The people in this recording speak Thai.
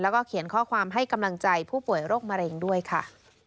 แล้วก็เขียนข้อความให้กำลังใจผู้ป่วยโรคมะเร็งด้วยค่ะ